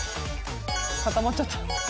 固まっちゃった。